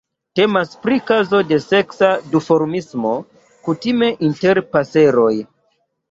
Temas pri kazo de seksa duformismo, kutime inter paseroj.